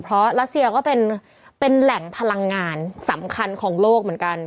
เพราะรัสเซียก็เป็นแหล่งพลังงานสำคัญของโลกเหมือนกัน